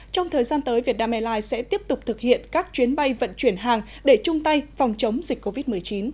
trong thời gian tới vietnam airlines sẽ tiếp tục thực hiện các chuyến bay vận chuyển hàng để chung tay phòng chống dịch covid một mươi chín